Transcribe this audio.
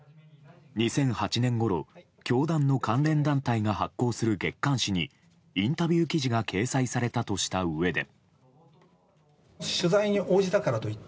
２００８年ごろ教団の関連団体が発行する月刊誌にインタビュー記事が掲載されたとしたうえで。